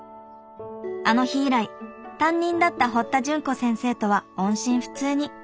あの日以来担任だった堀田潤子先生とは音信不通に。